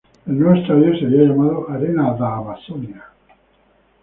El nuevo estadio sería llamado Arena da Amazônia.